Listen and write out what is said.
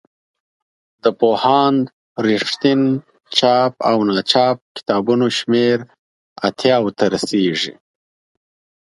د پوهاند رښتین چاپ او ناچاپ کتابونو شمېر اتیاوو ته رسیږي.